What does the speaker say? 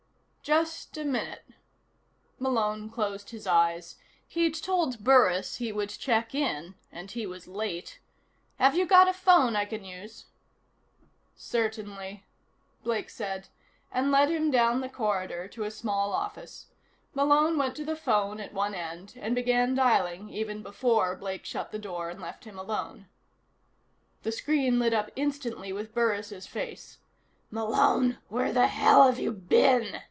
"Just a minute." Malone closed his eyes. He'd told Burris he would check in, and he was late. "Have you got a phone I can use?" "Certainly," Blake said, and led him down the corridor to a small office. Malone went to the phone at one end and began dialing even before Blake shut the door and left him alone. The screen lit up instantly with Burris' face. "Malone, where the hell have you been?"